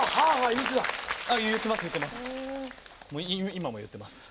今も言ってます。